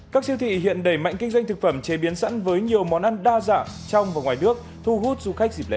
các siêu thị hiện đẩy mạnh kinh doanh thực phẩm chế biến sẵn với nhiều món ăn đa dạng trong và ngoài nước thu hút du khách dịp lễ